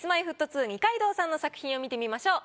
Ｋｉｓ−Ｍｙ−Ｆｔ２二階堂さんの作品を見てみましょう。